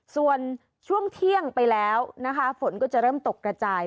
ส่วนช่วงเที่ยงไปแล้วนะคะฝนก็จะเริ่มตกกระจาย